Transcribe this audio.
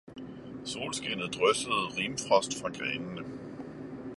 solskinnet dryssede rimfrost fra grenene.